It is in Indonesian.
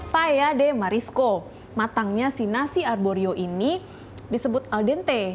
paya de marisco matangnya si nasi arborio ini disebut al dente